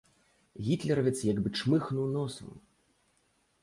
Гітлеравец як бы чмыхнуў носам.